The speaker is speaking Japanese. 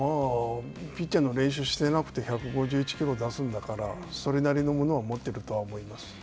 ピッチャーの練習してなくて１５１キロを出すんだから、それなりのものは持っているとは思います。